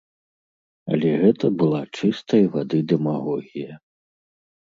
Але гэта была чыстай вады дэмагогія.